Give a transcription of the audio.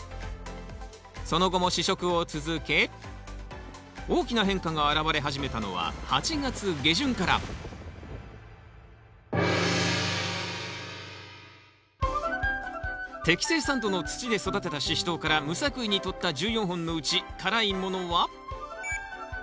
その後も試食を続け大きな変化があらわれ始めたのは８月下旬から適正酸度の土で育てたシシトウから無作為にとった１４本のうち辛いものは２本。